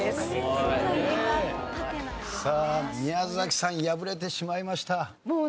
さあ宮崎さん敗れてしまいました。